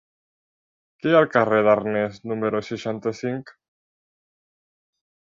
Què hi ha al carrer d'Arnes número seixanta-cinc?